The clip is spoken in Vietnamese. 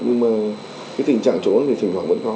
nhưng mà cái tình trạng trốn thì thỉnh thoảng vẫn có